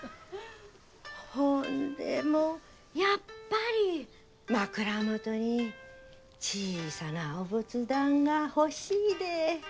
ほんでもやっぱり枕元に小さなお仏壇が欲しいで。